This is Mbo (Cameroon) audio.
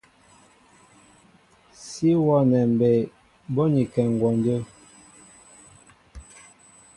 Sí wónɛ mbey bónikɛ ŋgwɔndə́.